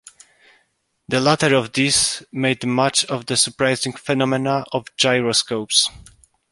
The latter of these made much of the surprising phenomena of gyroscopes.